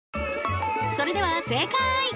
それでは正解！